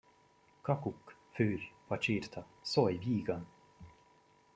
Kakukk, fürj, pacsirta, szólj vígan!